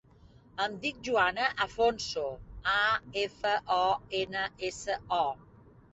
Em dic Joana Afonso: a, efa, o, ena, essa, o.